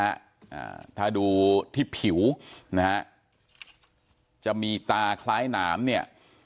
อ่าถ้าดูที่ผิวนะฮะจะมีตาคล้ายหนามเนี่ย